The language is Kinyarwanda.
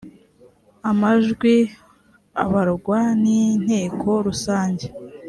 amajwi abarwa ninteko rusange.